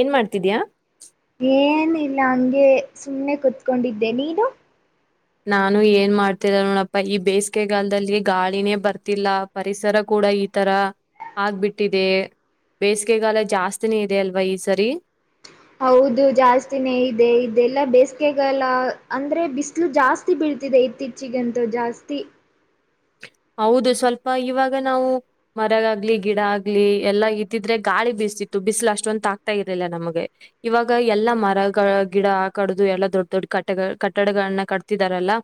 ಏನ್ ಮಾಡ್ತಿದಿಯಾ. ಏನಿಲ್ಲ ಹಂಗೆ ಸುಮ್ಮ್ನೆ ಕುತ್ಕೊಂಡಿದ್ದೆ ನೀನು. ನಾನು ಏನ್ ಮಾಡ್ತರ ನೋಡಪ್ಪ ಈ ಬೇಸಿಗೆಗಾಲದಲ್ಲಿ ಗಾಳಿನೇ ಬರ್ತಿಲ್ಲ ಪರಿಸರ ಕೂಡ. ಕೂಡ ಈ ತರ ಆಗ್ಬಿಟ್ಟಿದೆ. ಬೇಸಿಗೆಗಾಲ ಜಾಸ್ತಿನೇ ಇದೆ ಅಲ್ವಾ ಈ ಸರಿ. ಹೌದು ಜಾಸ್ತಿನೇದೆ ಇದೆಲ್ಲಾ ಬೇಸಿಗೆಗಾಲ ಅಂದ್ರೆ ಬಿಸಿಲು ಜಾಸ್ತಿ ಬಿಡ್. ತಿದೆ ಇತ್ತೀಚಿಗಂತೂ ಜಾಸ್ತಿ. ಹೌದು ಸ್ವಲ್ಪ ಇವಾಗ ನಾವು ಮರಗಾಗಗ್ಲಿ ಗಿಡ ಆಗ್ಲಿ ಎಲ್ಲಾ ಇತ್ತಿದ್ರೆ ಗಾಳಿ ಬಿ. ಬಿಸಿಲು ಅಷ್ಟೊಂತ ಆಗ್ತಾ ಇರಲಿಲ್ಲ ನಮಗೆ ಇವಾಗ ಎಲ್ಲಾ ಮರ ಗಿಡ ಕಡದು ಎಲ್ಲಾ ದೊಡ್ಡ. ದೊಡ್ಡ ಕಟ್ಟ ಕಟ್ಟಡಗಳನ್ನ ಕಟ್ತಿದಾರಲ್ಲಾ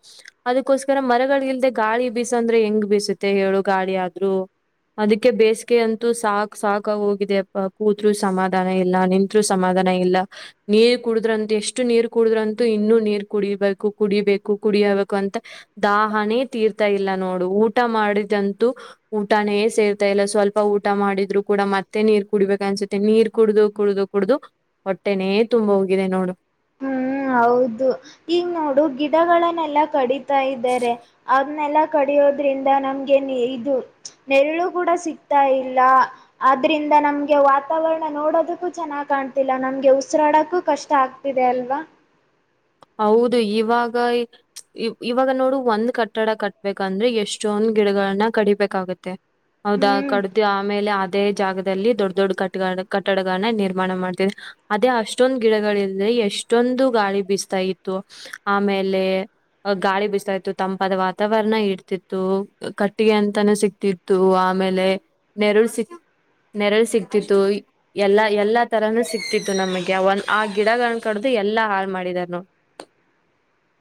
ಅದಕ್ಕೋಸ್ಕರ ಮರಗಳ ಇಲ್ದೆ ಗಾಳಿ ಬೀಸಂದ್ರ. ಹೆಂಗ್ ಬಿಸುತ್ತೆ ಹೇಳು ಗಾಳಿಯಾದ್ರು. ಅದಕ್ಕೆ ಬೇಸಿಗೆ ಅಂತೂ ಸಾಕ್ ಸಾಕ ಹೋಗಿದ ಅಪ್ಪ ಕೂತ್ರು ಸಮಾಧಾನ ಇಲ್ಲ ನಿಂತ್ರು ಸಮಾಧಾನ. ಇಲ್ಲ ನೀರು ಕುಡಿದ್ರಂತ ಎಷ್ಟು ನೀರು ಕುಡುದ್ರಂತೂ ಇನ್ನುೂ ನೀರ್ ಕುಡಿಬೇಕು ಕುಡಿಬೇಕು ಕುಡಿ. ಕುಡಿಹಬೇಕು ಅಂತ ದಾಹನೆ ತೀರ್ತಾ ಇಲ್ಲ ನೋಡ. ಊಟ ಮಾಡಿದಂತೂ ಊಟಾನೇ ಸೇರ್ತಾ ಇಲ್ಲ ಸ್ವಲ್ಪ ಊಟ ಮಾಡಿದ್ರು ಕೂಡ ಮತ್ತೆ ನೀರ್ ಕು. ಕುಡಿಬೇಕ ಅನ್ಸುತ್ತೆ ನೀರ್ ಕುಡಿದು ಕುಡಿದು ಕುಡಿದು ಹೊಟ್ಟೆನೇ ತುಂಬಾ ಹೋಗಿದೆ ನೋಡು. ಹ್ಮ್ ಹೌದು ಈಗ ನೋಡು ಗಿಡಗಳನ್ನೆಲ್ಲಾ ಕಡಿತಾ ಇದ್ದಾರೆ. ಅನ್ನೆಲ್ಲ ಕಡಿಯೋದ್ರಿಂದ ನಮ್ಗೆ ಇದು ನೆರಳು ಕೂಡ ಸಿಗ್ತಾ ಇಲ್ಲ. ಆದರಿಂದ ನಮಗೆ ವಾತಾವರಣ ನೋಡೋದಕ್ಕೂ ಚೆನ್ನಾಗಿ ಕಾಣ್ತಿಲ್ಲ ನಮಗೆ ಉಸಿರಾಡೋಕ್ಕೂ ಕಷ್ಟ ಆಗ್. ಇದೆ ಅಲ್ವಾ. ಹೌದು ಇವಾಗ ಇವಾಗ ನೋಡು ಒಂದ್ ಕಟ್ಟಡ ಕಟ್ಬೇಕಂದ್ರೆ ಎಷ್ಟೊಂದ. ಗಿಡಗಳನ್ನ ಕಡಿಬೇಕಾಗುತ್ತೆ ಹೌದಾ ಹ್ಮ್ ಕಡದು ಆಮೇಲೆ ಆದ. ಅದೇ ಜಾಗದಲ್ಲಿ ದೊಡ್ಡ ದೊಡ್ಡ ಕಟ್ಟ ಕಟ್ಟಡಗಳನ್ನ ನಿರ್ಮಾಣ ಮಾಡ್ತವಿ ಅದೇ ಅಷ್ಟೊಂದ್ ಗಿಡಗಳಲ್ದೆ. ಎಷ್ಟೊಂದು ಗಾಳಿ ಬಿಸತಾ ಇತ್ತು ಆಮೇಲೆ. ಗಾಳಿ ಬಿಸ್ತಾ ಇತ್ತು ತಂಪಾದ ವಾತಾವರಣ ಇಡ್ತಿತ್ತು ಕಟ್ಟಿಗೆ ಅಂತಾನ ಸಿಕ್ತಿತ್ತು. ಆಮೇಲೆ ನೆರಳ ಸಿಗ್. ನೆರಳು ಸಿಕ್ತಿತ್ತು ಎಲ್ಲಾ ಎಲ್ಲಾ ತರಾನೂ ಸಿಕ್ತಿತ್ತು ನಮಗೆ ಅವನ್ ಆ ಗಿಡಗಳ ಕಡ್ದ. ಎಲ್ಲಾ ಹಾಳ್ ಮಾಡಿದರೆ ನೋಡು.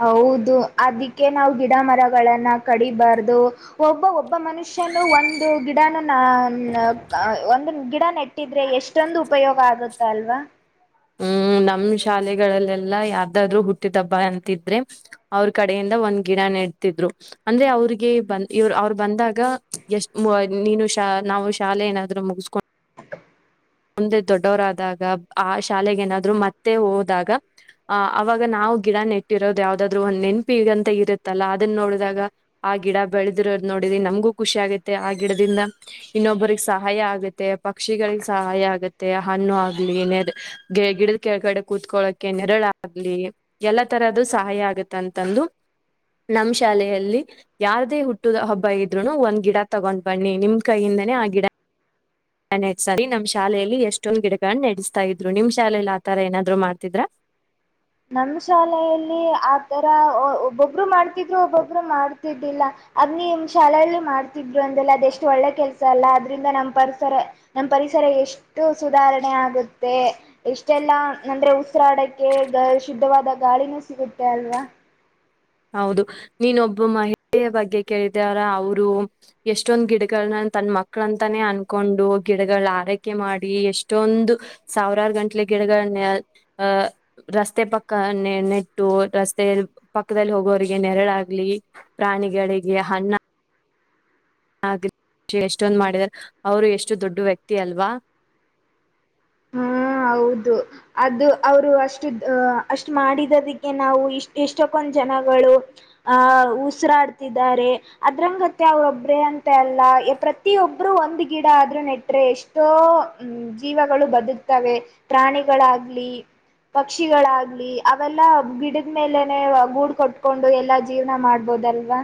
ಹೌದು ಅದಕ್ಕೆ ನಾವು ಗಿಡ ಮರಗಳನ್ನ ಕಡಿಬಾರ್ದು ಒಬ್ಬ ಒಬ್ಬ ಒಬ್ಬ ಮನುಷ್ಯನು ಒಂದು ಗಿಡನ ಒಂದು ಗಿಡ ನೆಟ್ಟಿದ್ರೆ ಎಷ್ಟೊಂದು ಉಪಯೋಗ ಆಗುತ್ತ ಅಲ್ವಾ ಹ್ಮ್ ನಮ್ ಶಾಲೆಗಳಲ್ಲೆಲ್ಲಾ ಯಾರ್ಧಾದ್ರೂ ಹುಟ್ಟಿದ ಅಂತಿದ್ರೆ ಅವ್ರ ಕಡೆಯಿಂದ ಒಂದ್ ಗಿಡ ಿದ್ರು ಅಂದ್ರೆ ಅವ್ರಿಗೆ ಅವ್ರು ಬಂದಾಗ ಎಷ್ಟ ನೀನು ನಾವು ಶಾಲೆ ಏನಾದ್ರೂ ಮುಗಿಸಿಕೊಂಡು ಒಂದೆ ದೊಡ್ಡವರಾದಾಗ ಆ. ಶಾಲೆೆಗೆ ಏನಾದ್ರು ಮತ್ತೆ ಹೋದಾಗ. ಆ ಅವಾಗ ನಾವು ಗಿಡ ನೆಟ್ಟಿರೋದು ಯಾವ್ದಾದ್ರು ನೆನಪು ಈಗಂತ ಇರುತ್ತಲ್ಲ ಅದನ್ನ ನೋಡಿದಾಗ. ಆ ಗಿಡ ಬೆಳೆದಿರೋದ್ ನೋಡಿದ್ರಿ ನಮ್ಗು ಖುಷಿ ಆಗುತ್ತೆ ಆ ಗಿಡದಿಂದ ಇನ್ನೊಬ್ಬರಿಿಗೆ ಸಹಾಯ ಆಗುತ್ತೆ ಪಕ್ಷಿಗಳಿಗೆ ಸಹಾಯ ಆಗತ್ತೆ ಹಣ್ಣು ಆಗ್ಲಿ ನೆ ಗ ಗಿಡದ ಕೆಳಗಡೆ ಕೂತ್ಕೊಳಕೆ ನೆರಳಾಗ್ಲಿ ಎಲ್ಲಾ ತರದ ಸಹಾಯ ಆಗುತ್ತೆ ಅಂತಂದು ನಮ್ ಶಾಲೆಯಲ್ಲಿ ಯಾವ್ದೇ ಹುಟ್ಟದ ಹಬ್ಬ ಇದ್ರುನು ಒಂದ್ ಗಿಡ ತಗೊಂಡ್ ಬನ್ನಿ ನಿಮ್ ಕೈಯಿಂದ ೇ ಆಗಿಡ ಹ ಸರಿ ನಮ್ ಶಾಲೆಯಲ್ಲಿ ಎಷ್ಟೊಂದು ಗಿಡಗಳನ್ನ ನಡೆಸ್ತಾ ಇದ್ರು ನಿಮ್ ಶಾಲೆಯಲ್ಲಿ ಆತರ ಏನಾದ್ರು ಮಾಡ್ತಿದ್ರಾ [unintelligible] ನಮ್ಮ ಶಾಲೆಯಲ್ಲಿ ಆತರ ಒಬ್ಬೊಬ್ರು ಮಾಡ್ತಿದ್ರು ಒಬ್ಬೊಬ್ಬರು ಮಾಡ್ತಿದ್ದಿಲ್ಲ ಅದ್ ನೀಮ್ ಶಾಲೆಯಲ್ಲಿ ಮಾಡ್ತಿದ್ರು ಅಂದಲ್ಲ ಅದೆ ಎಷ್ಟು ಒಳ್ಳೆ ಕೆಲಸ ಅಲ್ಲ ಅದ್ರಿಂದ ನಮ್ಮ್ ಪರಿಸರ ನಮ್ ಪರಿಸ ಪರಿಸರ ಎಷ್ಟು ಸುಧಾರಣೆ ಆಗುತ್ತೆ ಎಷ್ಟೆಲ್ಲಾ ನಂದ್ರೆ ಉಸಿರಾಡಕ್ಕೆ ಗಸ್ ಶುದ್ಧವಾದ ಗಾಳಿನೂ ಸಿಗುತ್ತೆ ಅಲ್ವಾ ಹೌದು ನೀನ್ೊಬ್ಬ ಮಹಿಳೆಯ ಬಗ್ಗೆ ಕೇಳಿದಾರ ಅವರು ಎಷ್ಟೊಂದ ಗಿಡಗಳನ್ನ ತನ್ನ ಮಕ್ಕಳ ಅಂತಾನೇ ಅನ್ಕೊಂಡು ಗಿಡಗಳ ಆರೈಕೆ ಮಾಡಿ ಎಷ್ಟೊಂದು ಸಾವಿರಾರು ಗಂಟ್ಲೆ ಗಿಡಗಳನ್ನ ರಸ್ತೆ ಪಕ್ಕ ನೆ ನೆಟ್ಟು ರಸ್ತೆ ಪಕ್ಕದಲ್ಲಿ ಹೋಗೋರಿಗೆ ನೆರಳಾಗ್ಲಿ ಪ್ರಾಣಿಗಳಿಗೆ ಹಣ್ಣ ಎಷ್ಟೊಂದು ಮಾಡಿದರೆ ಅವರು ಎಷ್ಟು ದೊಡ್ಡು ವ್ಯಕ್ತಿ ಅಲ್ವಾ [inaudible] ಹಾ ಹೌದು ಅದು ಅವರು ಅಷ್ಟು ಅಷ್ಟ ಮಾಡಿದದಕ್ಕೆ ನಾವು ಇಷ್ಟ ಇಷ್ಟಕ್ಕೊ ಜನಗಳು ಆ ಉಸಿರಾಡ್ತಿದಾರೆ ಪ್ರತಿಯೊಬ್ರುೂ ಒಂದು್ ಗಿಡ ಆದ್ರೂ ನೆಟ್ರೆ ಎಷ್ಟೋ ಜೀವ ಬದುಕ್ತವೆ ಪ್ರಾಣಿಗಳಾಗ್ಲಿ ಪಕ್ಷಿಗಳಾಗ್ಲಿ ಅವೆಲ್ಲಾ ಗಿಡದ್ಮೇಲೆನೆ ಗೂಡ್ ಕೊಟ್ಕೊಂಡು ಎಲ್ಲಾ ಜೀವನ ಮಾಡ್ಬೋದು ಹೌದಲ್ವಾ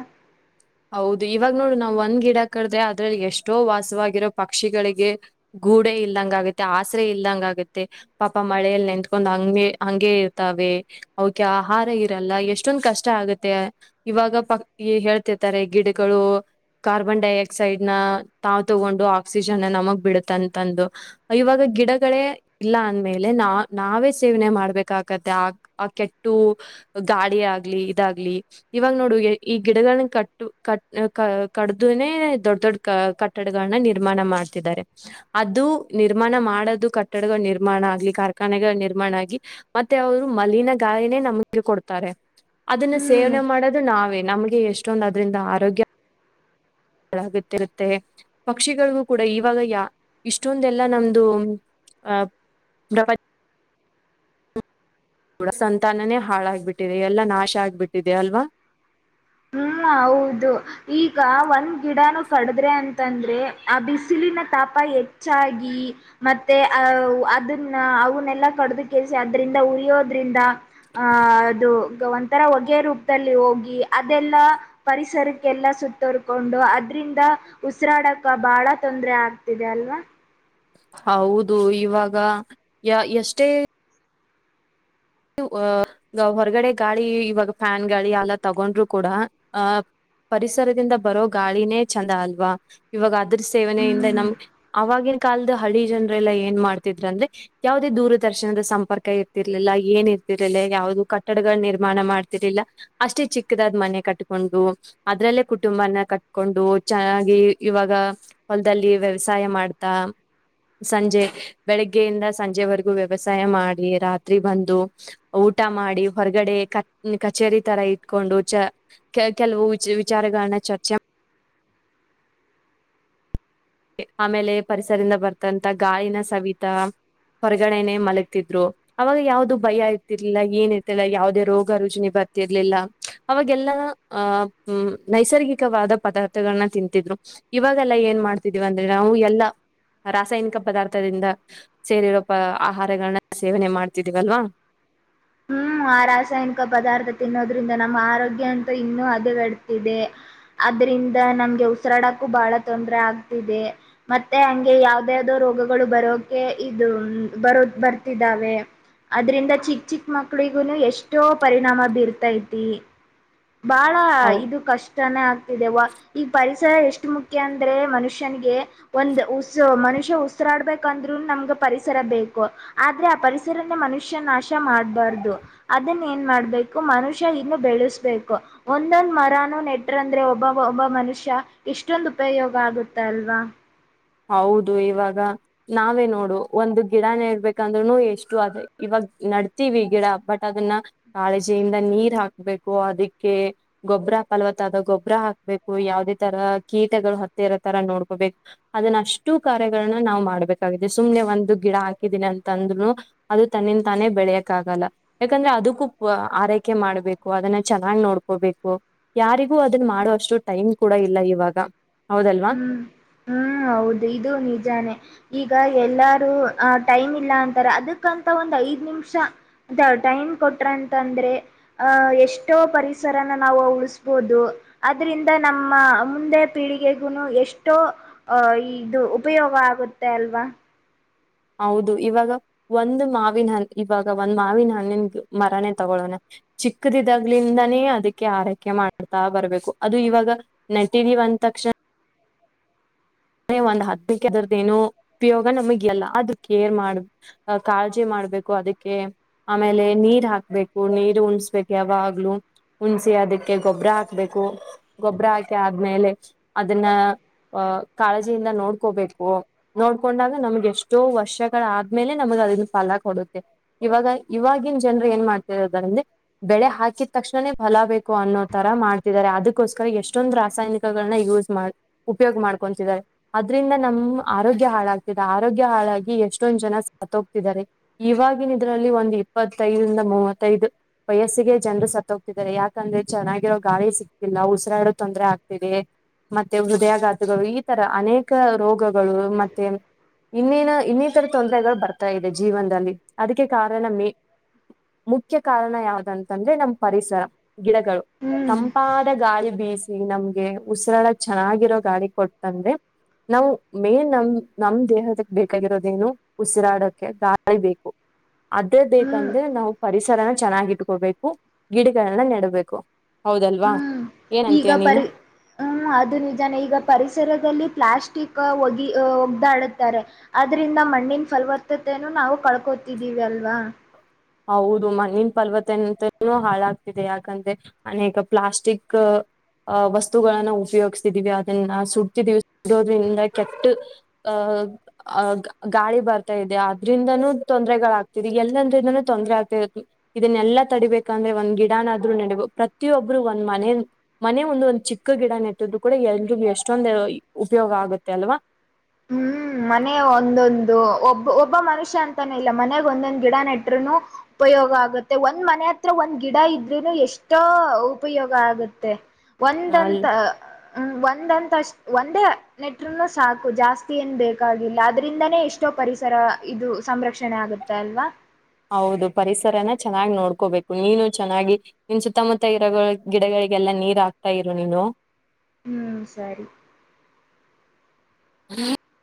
ಹೌದು ಇವಾಗ ನೋಡು ನಾವ್ ಒಂದ್ ಗಿಡ ಕಡಿದ್ರೆ ಅದ್ರಲ್ಲಿ ಎಷ್ಟೋ ವಾಸವಾಗಿರೋ ಪಕ್ಷಿಗಳಿಗೆ ಗೂಡೆ ಇಲ್ದಂಗ ಆಗುತ್ತೆ ಆಸರೆೆ ಇಲ್ದಂಗ ಆಗತ್ತೆ ಪಾಪ ಮಳೆಯಲ್ಲಿ ನೆತ್ಕೊಂಡ ಹಂಗೆ ಹಂಗಗೆ ಇರ್ತಾವೆ ಅವಕ್ಕೆ ಆಹಾರ ಇರಲ್ಲ ಎಷ್ಟೊಂದ ಕಷ್ಟ ಆಗುತ್ತೆ ಇವಾಗ ಪ ಹೇಳ್ತೇ ತ್ತಾರೆ ಗಿಡಗಳು ಕಾರ್ಬನ್ ಡೈಆಕ್ಸೈಡ್ ನ ತಾವ್ ತಗೊಂಡು ಆಕ್ಸಿಜನ್ ಗಿಡಗಳೇ ಇಲ್ಲ ಅಂದ್ಮೇಲೆ ನಾ ನಾವೇ ಸೇವನೆ ಮಾಡ್ಬೇಕಾಗತ್ತೆ ಆ ಆ ಕೆಟ್ಟು ಗಾಡಿ ಆಗ್ಲಿ ಇದಾಗಲಿ ಇವಾಗ ನೋಡು ಈ ಗಿಡಗಳನ್ನ ಕಟ್ಟ ಕ ಕಡುಧೆನೆ ದೊಡ್ಡ ದೊಡ್ಡ ಕ ಕಟ್ಟಡಗಳನ್ನ ನಿರ್ಮಾಣ ಮಾಡ್ತಿದ್ದಾರೆ ಅದು ನಿರ್ಮಾಣ ಮಾಡದು ಕಟ್ಟಡಗಳ ನಿರ್ಮಾಣ ಆಗ್ಲಿ ಕಾರ್ಖಾನೆಗಳ ನಿರ್ಮಾಣ ಆಗಲಿ ಮತ್ತೆ ಅವರು ಮಲಿನ ಗಾಳಿನೇ ನಮಗೆ ಕೊಡ್ತಾರೆ ಅದನ್ನ ಹ್ಮ್ ಸೇವನೆ ಮಾಡೋದು ನಾವೇ ನಮಗೆ ಎಷ್ಟೊಂದ ಅದ್ರಿಂದ ಆರೋಗ್ಯ ಗೊತ್ತಿರುತ್ತೆ ಪಕ್ಷಿಗಳಿಗೂ ಕೂಡ ಇವಾಗ ಯ ಇಷ್ಟೊಂದೆಲ್ಲ ನಮ್ದು ಆ ಡ ಸಂತಾನನೇ ಹಾಳಾಗಬಿಟ್ಟಿದೆ ಎಲ್ಲ ನಾಶ ಆಗ್ಬಿಟ್ಟಿದೆ ಅಲ್ವಾ ಹ್ಮ್ ಹೌದು ಈಗ ಒಂದ್ ಗಿಡನು ಕಡದ್ರೆ ಅಂತಂದ್ರೆ ಆ ಬಿಸಿಲಿನ ತಾಪ ಹೆಚ್ಚಾಗಿ ಮತ್ತೆ ಅ ಅದನ್ನ ಅವನ್ನೆಲ್ಲ ಕಡ ಕೆೇಳಸಿ ಅದರಿಂದ ಅಡಿಯೋದ್ರಿಂದ ಆಹ ಅದು ಒಂಥರ ಹೊಗೆ ರೂಪದಲ್ಲಿ ಹೋಗಿ ಅದೆಲ್ಲಾ ಪರಿಸರಕ್ಕೆಲ್ಲಾ ಸುತ್ತರ್ಕೊಂಡು ಅದ್ರಿಂದ ಉಸಿರಾಡಕ ಬಹಳ ತೊಂದ್ರೆ ಆಗ್ತಿದೆ ಅಲ್ವಾ ಹೌದು ಇವಾಗ ಯ ಎಷ್ಟೇ ಹೊರಗಡೆ ಗಾಳಿ ಇವಾಗ ಫ್ಯಾನ್ ಗಾಳಿ ಎಲ್ಲ ತಗೊಂಡ್ರು ಕೂಡ ಅಹ ಪರಿಸರದಿಂದ ಬರೋ ಗಾಳಿನೇ ಚಂದ ಅಲ್ವಾ ಇವಾಗಾದ ಅದ ಸೇವನೆಯಿಂದ ಹ್ಮ್ ನಮ್ ಅವವಾಗಿನ ಕಾಲದ ಹಳಿ ಜನಲ್ಲ ಏನ್ ಮಾಡ್ತಿದ್ರ ಅಂದ್ರೆ ಯಾವುದೇ ದೂರದರ್ಶನದ ಸಂಪರ್ಕ ಇರ್ತಿರ್ಲಿಲ್ಲ ಏನ್ ಇರ್ತಿರಲ್ಲ ಯಾವವು್ದ ಕಟ್ಟಡಗಳ ನಿರ್ಮಾಣ ಮಾಡ್ತಿರ್ಲಿಲ್ಲ ಅಷ್ಟೇ ಚಿಕ್ಕದಾದ್ ಮನೆ ಕಟ್ಕೊಂಡು ಅದ್ರಲ್ಲೇ ಕುಟುಂಬನ ಕಟ್ಕೊಂಡು ಚೆನ್ನಾಗಿ ಇವಾಗ ಹೊಲದಲ್ಲಿ ವ್ಯವಸಾಯ ಮಾಡ್ತ ಸಂಜೆ ಬೆಳಗ್ಗೆಯಿಂದ ಸಂಜೆವರೆಗೂ ವ್ಯವಸಾಯ ಮಾಡಿ ರಾತ್ರಿ ಬಂದ ಊಟ ಮಾಡಿ ಹೊರಗಡೆ ಕಚೇರಿ ತರ ಇಟ್ಕೊಂಡು ಕೆ ಕೆಲವು ವಿ ವಿಚಾರಗಳನ್ನ ಚರ್ಚೆ ಆಮೇಲೆ ಪರಿಸರದಿಂದ ಬರ್ತಂತ ಗಾಳಿನ ಸವಿತಾ ಹೊರಗಡೆನೆ ಮಲಗ್ತಿದ್ರು ಅವಾಗ ಯಾವ್ದು ಭಯ ಇರ್ತಿಿಲ್ಲ ಏನಿರ್ತಿಲ್ಲ ಯಾವುದೇ ರೋಗ ರುಜಿನಿ ಬರ ಗತ್ತಿರ್ಲಿಲ್ಲ ಅವಾಗೆಲ್ಲಾ ಆಹ ನೈಸರ್ಗಿಕವಾದ ಪದಾರ್ಥಗಳನ್ನ ತಿಂತಿದ್ರು ಇವಾಗೆಲ್ಲಾ ಏನ್ ಮಾಡ್ತಿದೀವಂದ್ರೆ ನಾವು ಎಲ್ಲಾ ರಾಸಾಯನಿಕ ಪದಾರ್ಥದಿಂದ ಸೇರಿರೋ ಪ ಆಹಾರಗಳನ್ನ ಸೇವನೆ ಮಾಡ್ತಿದೀವಲ್ವಾ [inaudible] ಹ್ಮ್ ಆ ರಾಸಾಯನಿಕ ಪದಾರ್ಥ ತಿನ್ನೋದ್ರಿಂದ ನಮ್ಮ ಆರೋಗ್ಯ ಅಂತ ಇನ್ನೂ ಅದಗೆಡ್ತಿದೆ ಅದ್ರಿಂದ ನಮ್ಗೆ ಉಸಿರಾಡಕ್ಕೂ ಬಹಳ ತೊಂದರೆ ಆಗ್ತಿದೆ ಮತ್ತೆ ಹಂಗೆ ಯಾವ್ದ ಯಾವ್ದೋ ರೋಗ ಬರೋಕೆ ಇದು ಬರ ಬರ್ತಿದ್ದಾವೆ ಅದ್ರಿಂದ ಚಿಕ್ಕ ಚಿಕ್ಕ ಮಕ್ಳ ಮಕ್ಕಳಿಗು ಎಷ್ಟೋ ಪರಿಣಾಮ ಬೀರ್ತೈತಿ ಬಾಳ ಇದು ಕಷ್ಟನೇ ಆಗ್ತ ಈಗ ಪರಿಸರ ಎಷ್ಟು ಮುಖ್ಯ ಅಂದ್ರೆ ಮನುಷ್ಯನಿಗೆ ಒಂದು ಉಸ್ ಮನುಷ್ಯ ಉ ಡ್ಬೇಕಂದ್ರು ನಮ್ಗೆ ಪರಿಸರ ಬೇಕು ಆದ್ರೆ ಆ ಪರಿಸರನ ಮನುಷ್ಯ ನಾಶ ಮಾಡ್ಬಾರ್ದು ಅದನ್ನ ಏನ್ ಮಾಡ್ಬೇಕು ಮನುಷ್ಯ ಇನ್ನು ಬೆಳೆಸಬೇಕು ಒಂದೊಂದ ಮರನ ನೆಟ್ರಂದ್ರೆ ಒಬ್ಬ ಒಬ್ಬ ಮರ ಮನುಷ್ಯ ಎಷ್ಟೊಂದು ಉಪಯೋಗ ಆಗುತ್ತ ಅಲ್ವಾ ಹೌದು ಇವಾಗ ನಾವೇ ನೋಡು ಒಂದು ಗಿಡಾನ ಇಡ್ಬೇಕಂದು ಎಷ್ಟು ಅದೇ ಇವಾಗ ನವಿ ಗಿಡ ಬಟ್ ಅದನ್ನ ಕಾಳಿಂದ ನೀರ್ ಹಾಕ್ಬೇಕು ಅದಕ್ಕೆ ಗೊ ಗೊಬ್ಬರ ಫಲವತಾದ ಗೊಬ್ಬರ ಹಾಕ್ಬೇಕು ಯಾವದೇ ತರ ಕೀಟಗಳು ಹತ್ತಿ ಇರೋ ತರ ನೋಡ್ಕೋಬೇಕು ಅದನ್ನ ಅಷ್ಟು ಕಾರ್ಯಗಳನ್ನ ನಾ್ ಮಾಡ್ಬೇಕಾಗಿದೆ ಸುಮ್ನೆ ಒಂದು ಗಿಡ ಹಾಕಿದೀನಿ ಅಂತಂದ್ನು ಅದು ತನ್ನ ನಿಂತಾನೇ ಬೆಳೆಯಕ ಆಾಗಲ್ಲ ಯಾಕಂದ್ರೆ ಅದಕ್ಕೂ ಆರೈಕೆ ಮಾಡ್ಬೇಕು ಅದನ್ನ ಚೆನ್ನಾಗ್ ನೋಡ್ಕೋಬೇಕು ಯಾರಿಗೂ ಅದನ್ನ ಮಾಡುವಷ್ಟು ಟೈಮ್ ಕೂಡ ಇಲ್ಲ ಇವಾಗ ಹೌದಲ್ವಾ ಹ ಹೌದು ಇದು ನಿಜಾನೇ ಈಗ ಎಲ್ಲಾರೂ ಟೈಮ್ ಇಲ್ಲ ಅಂತಾರೆ ಅದಕ್ಕಂತ ಒಂದ ಐದ್ ನಿಮಿಷ ಅದ ಟೈಮ್ ಕೊಟ್ರ ಅಂತ ಅಂದ್ರೆ ಅಹ ಎಷ್ಟೋ ಪರಿಸರನ ನಾವು ಉಳಸ್ಬೋದು ಅದ್ರಿಂದ ನಮ್ಮ ಮುಂದೆ ಪೀಳಿಗೆ ಎಷ್ಟೋ ಅಹ ಇದು ಉಪಯೋಗ ಆಗುತ್ತೆ ಅಲ್ವಾ ಹೌದು ಇವಾಗ ಒಂದ್ ಮಾವಿನ ಹ ಇವಾಗ ಒಂದ್ ಮಾವಿನ ಹಣ್ಣಿನ್ ಮರನೇ ತಗೊಳೋಣ ಚಿಕ್ಕದಿದಾಗ್ಲಿಂದಾನೇ ಅದಕ್ಕೆ ಆರೈಕೆ ಮಾಡ್ತಾ ಬರ್ಬೇಕು ಅದು ಇವಾಗ ನೆಟಿನ ತಕ್ಷಣ ಒಂದ್ ಹದಕ್ಕೆರದ ಏನ ಉಪಯೋಗ ನಮಗೆ ಎಲ್ಲ ಅದು ಕೇರ್ ಮಾಡ ಕಾಜಿ ಮಾಡ ಮಾಡ್ಬೇಕು ಅದಕ್ಕೆ ಆಮೇಲೆ ನೀರ್ ಹಾಕ್ಬೇಕು ನೀರು ಉಣಸ್ಬೇಕು ಯಾವಾಗ್ಲುೂ ಹುಣ್ಸಿ ಅದಕ್ಕೆ ಗೊಬ್ಬರ ಹಾಕ್ಬೇಕು ಗೊಬ್ಬರ ಹಾಕಿ ಆದ್ಮೇಲೆ ಅದನ್ನ ಅಹ ಕಾಳಜಿಯಿಂದ ನೋಡ್ಕೋಬೇಕು ನೋಡ್ಕೊಂಡಾಗ ನಮ್ಗೆ ಎಷ್ಟೋ ವರ್ಷಗಳಾದ್ಮೇಲೆ ನಮಗ್ ಅದನ್ನ ಫಲ ಕೊಡುತ್ತೆ ಇವಾಗ ಇವಾಗಿನ ಜನರು ಏನ್ ಮಾಡ್ತರದ ಅಂದ್ರೆ ಬೆಳೆ ಹಾಕಿದ ತಕ್ಷಣೇ ಲ ು ಅನ್ನೋ ತರ ಮಾಡ್ತಿದ್ದಾರೆ ಅದಕ್ಕೋಸ್ಕರ ಎಷ್ಟೊಂದು ರಾಸಾಯನಿಕಗಳನ್ನ ಯೂಸ್ ಮಾಡ ಉಪಯೋಗ ಮಾಡ್ ಕತಿದ್ದಾರೆ ಅದ್ರಿಂದ ನಮ್ ಆರೋಗ್ಯ ಹಾಳಾಗ್ತಿದೆ ಆರೋಗ್ಯ ಹಾಳಾಗಿ ಎಷ್ಟೊಂದ್ ಜನ ಸತ್ೋಗ್ತಿದ್ದಾರೆ ಇವಾಗಿನ ಇದ್ರಲ್ಲಿ ಒಂದು್ ಇಪ್ಪತ್ತೈದರಿಂದ ಮೂವತ್ತೈದು ವಯಸ್ಸಿಗೆ ಜನರು ಸತ್ತ ಹೋಗ್ತಿದ್ದಾರೆ ಯಾಕಂದ್ರೆ ಚೆನ್ನಾಗಿರೋ ಗಾಳಿ ಸಿಕ್ತಿಲ್ಲ ಉಸಿರಾಡೋ ತೊಂದ್ರರೆ ಆಗ್ತಿದೆ ಮತ್ತೆ ಹೃದಯ ಈ ತರ ಅನೇಕ ರೋಗಗಳು ಮತ್ತೆ ಇನ್ನೇನ ಇನ್ನಿತರ ತೊಂದರೆಗಳು ಬರ್ತಾ ಇದೆ ಜೀವನ್ದಲ್ಲಿ ಅದಕ್ಕೆ ಕಾರಣ ಮೇ ಮುಖ್ಯ ಕಾರಣ ಯಾವ್ದಂತಂದ್ರೆ ನಮ್ ಪರಿಸರ ಗಿಡಗಳು ಹ್ಮ್ ತಂಪಾದ ಗಾಳಿ ಬೀಸಿ ನಮ್ಗೆ ಉಸಿರಾಡಕ್ ಚೆನ್ನಾಗಿರೋ ಗಾಳಿ ಕೊಡ್ತಂದೆ ನಾವು ಮೇನ್ ನಮ್ ನಮ್ ದೇಹದಕ್ ಬೇಕಾಗಿರೋದೇನು ಉಸಿರಾಡಕ್ಕೆ ಗಾಳಿ ಬೇಕು ಅದೇ ಹ್ಮ್ ಬೇಕಂದ್ರೆ ನಾವು ಪರಿಸರನ ಚೆನ್ನಾಗಿಟ್ಕೊಬೇಕು ಗಿಡಗಳನ್ನ ನೆಡ್ಬೇಕು ಹೌದಲ್ವಾ ಹ್ಮ್ ಈಗ ಏನಂತೀಯ ನೀನು? ಪರಿ ಹ್ಮ ಅದು ನಿಜಾನೆ ಈಗ ಪರಿಸ್ ಪರಿಸರದಲ್ಲಿ ಪ್ಲಾಸ್ಟಿಕ್ ಹೋಗಿ ಹೋಗ್ದಾಡುತಾರೆ ಅದ್ರಿಂದ ಮಣ್ಣಿನ ಫಲವತ್ತತೆನು ನಾವು ಕಲ್ಕೊತಿದ್ದೀವಿ ಅಲ್ವಾ ಹೌದು ಮಣ್ಣಿನ ಪಲ್ವತೆ ಅಂತೂ ಹಾಳಾಗ್ತಿದೆ ಯಾಕಂದ್ರೆ ಅನೇಕ ಪ್ಲಾಸ್ಟಿಕ್ ಅ ವಸ್ತುಗಳನ್ನ ಉಪಯೋಗ್ಸ್ತಿದೀವಿ ಅದನ್ನ ಸುಟ್ತಿದೀವಿ ಸುಡೋದ್ರಿಂದ ಕೆಟ್ ಅ ಅ ಗಾಳಿ ಬರ್ತಾ ಇದೆ ಅದ್ರಿಂದನೂ ತೊಂದರೆಗಳಾಗ್ತಿದೆ ಎಲ್ಲಂದ್ರಿಂದಾನು ತೊಂದ್ರರೆ ಆಗ್ತ ತ್ತು ಇದನ್ನೆಲ್ಲಾ ತಡಿಬೇಕಂದ್ರೆ ಒಂದ್ ಗಿಡಾನಾಆದ್ರು ನಡಬೇ ಪ್ರತಿಯೊಬ್ರು ಒಂದ್ ಮನೆ ಮನೆ ಒಂದು ಒಂದು ಚಿಕ್ಕ ಗಿಡ ನೆಟ್ಟಿದ್ರು ಕೂಡ ಎಲ್ರಿಗೂ ಎಷ್ಟೊಂದು ಉಪಯೋಗ ಆಗುತ್ತೆ ಅಲ್ವಾ [inaudible] ಹ್ಮ್ ಮನೆ ಒಂದೊಂದು ಒಬ್ಬ ಒಬ್ಬ ಮನುಷ್ಯ ಅಂತಾನ ಇಲ್ಲ ಮನೆಗ್ ಒಂದೊಂದು ಗಿಡ ನೆಟ್ರುೂನು ಉಪಯೋಗ ಆಗತ್ತೆ ಒಂದ್ ಮನೆ ಹತ್ರ ಒಂದ್ ಗಿಡ ಇದ್ರೂನು ಎಷ್ಟೋ ಉಪಯೋಗ ಆಗತ್ತೆ ಅಲ್ ಒಂದಂತ ಹ ಒಂದಂತ ಅಷ್ಟ್ ಒಂದೇ ನೆಟ್ರುನು ಸಾಕು ಜಾಸ್ತಿ ಏನ್ ಬೇ ಕಾಗಿಲ್ಲ ಅದ್ರಿಂದಾನೇ ಎಷ್ಟೋ ಪರಿಸರ ಇದು ಸಂರಕ್ಷಣೆ ಆಗುತ್ತೆ ಅಲ್ವಾ ಹೌದು ಪರಿಸರನ ಚೆನ್ನಾಗ್ ನೋಡ್ಕೋಬೇಕು ನೀನು ಚೆನ್ನಾಗಿ ನಿನ್ ಸುತ್ತಮುತ್ತ ಇರ ಗಿಡಗಳ ಗೆಲ್ಲ ನೀರ್ ಆಗ್ತಾ ಇರು ನೀನು ಹ್ಮ್ ಸರಿ ಹ್ಮ